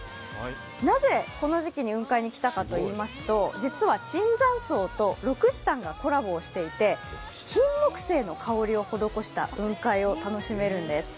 なぜこの時期に雲海に来たかといいますと、実は椿山荘とロクシタンがコラボしていて金木犀の香りをほどこした雲海を楽しめるんです。